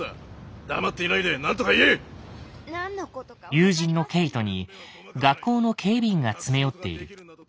友人のケイトに学校の警備員が詰め寄っている。